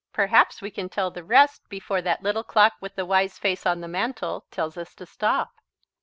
Perhaps we can tell the rest before that Little Clock with the Wise Face on the Mantel tells us to stop.